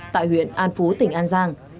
tại huyện an phú tỉnh an giang